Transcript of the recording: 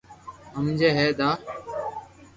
ھمجي ھي نا